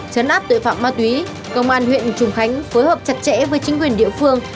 chấn áp tội phạm ma túy công an huyện trùng khánh phối hợp chặt chẽ với chính quyền địa phương